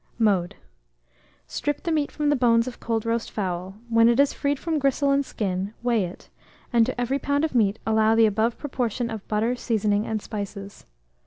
Mode. Strip the meat from the bones of cold roast fowl; when it is freed from gristle and skin, weigh it, and, to every lb. of meat, allow the above proportion of butter, seasoning, and spices.